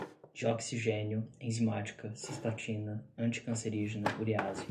dioxigênio, enzimática, cisplatina, anticancerígena, urease